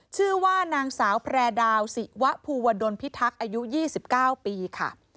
ชื่อว่านางสาวแพร่ดาวศิวะภูวดลพิทักษ์อายุ๒๙ปีค่ะ